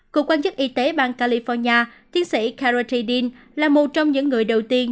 cục quan chức y tế bang california tiến sĩ cara t dean là một trong những người đầu tiên